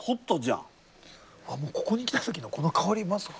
あもうここに来た時のこの香りまさか。